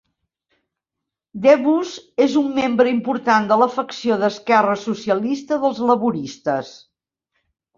Debus és un membre important de la facció d"esquerra socialista dels laboristes.